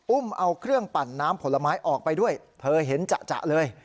อุ้มเอาเครื่องปั่นน้ำผลไม้ออกไปด้วยเธอเห็นจะเลย